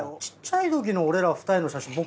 ちっちゃい時の俺ら２人の写真